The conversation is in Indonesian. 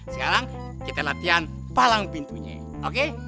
sekarang kita latihan palang pintunya oke